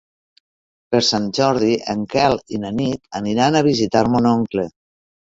Per Sant Jordi en Quel i na Nit aniran a visitar mon oncle.